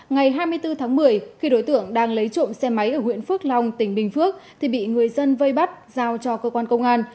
ngày hai mươi bốn tháng một mươi khi đối tượng đang lấy trộm xe máy ở huyện phước long tỉnh bình phước thì bị người dân vây bắt giao cho cơ quan công an